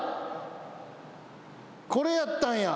これやったんや！